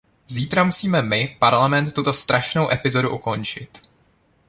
Zítra musíme my, Parlament, tuto strašnou epizodu ukončit.